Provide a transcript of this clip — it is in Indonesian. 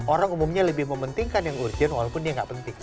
orang umumnya lebih mementingkan yang urgent walaupun dia nggak penting